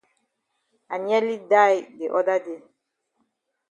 I nearly die de oda day.